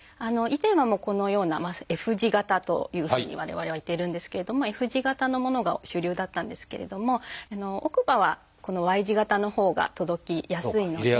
以前はこのような「Ｆ字型」というふうに我々は言っているんですけれどもＦ字型のものが主流だったんですけれども奥歯はこの「Ｙ字型」のほうが届きやすいので。